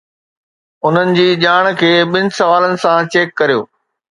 انهن جي ڄاڻ کي ٻن سوالن سان چيڪ ڪريو.